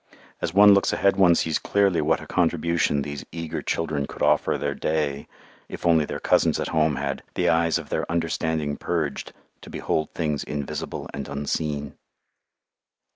As one looks ahead one sees clearly what a contribution these eager children could offer their "day" if only their cousins at home had "the eyes of their understanding purged to behold things invisible and unseen."